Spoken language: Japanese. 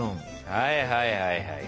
はいはいはいはい。